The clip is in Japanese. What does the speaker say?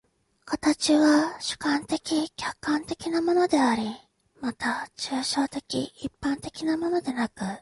形は主観的・客観的なものであり、また抽象的一般的なものでなく、